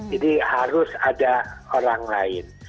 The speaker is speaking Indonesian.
harus ada orang lain